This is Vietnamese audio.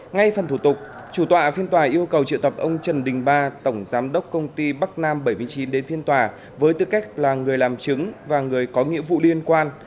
ngay phần thủ tục chủ tọa phiên tòa yêu cầu triệu tập ông trần đình ba tổng giám đốc công ty bắc nam bảy mươi chín đến phiên tòa với tư cách là người làm chứng và người có nghĩa vụ liên quan